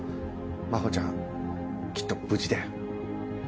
真帆ちゃんきっと無事だよ。